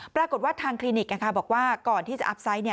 ปรากฏว่าทางคลินิกบอกว่าก่อนที่จะอัพไซต์